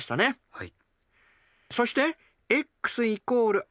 はい。